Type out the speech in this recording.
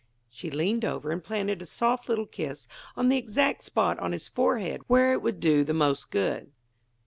'" She leaned over and planted a soft little kiss on the exact spot on his forehead where it would do the most good.